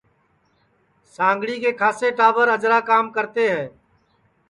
سانگھڑی کے کھاسیے ٹاٻر اجرا کام کرتے ہے